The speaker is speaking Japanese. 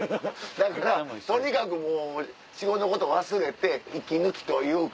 だからとにかくもう仕事のこと忘れて息抜きというか。